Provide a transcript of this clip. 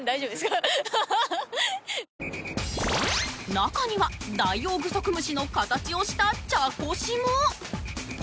中にはダイオウグソクムシの形をした茶こしも。